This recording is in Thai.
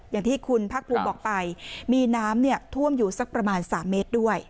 อย่างที่คุณพรรคปรุงบอกไปมีน้ำเนี่ยท่วมอยู่สักประมาณสามเมตรด้วย